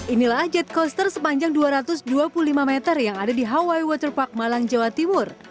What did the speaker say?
inilah jet coaster sepanjang dua ratus dua puluh lima meter yang ada di hawaii waterpark malang jawa timur